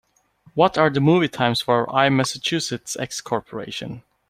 what are the movie times for IMassachusettsX Corporation